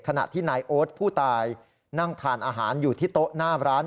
ขณะที่นายโอ๊ตผู้ตายนั่งทานอาหารอยู่ที่โต๊ะหน้าร้าน